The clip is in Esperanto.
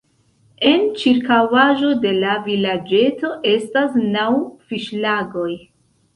En ĉirkaŭaĵo de la vilaĝeto estas naŭ fiŝlagoj.